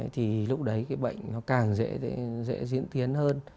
thì lúc đấy cái bệnh nó càng dễ diễn tiến hơn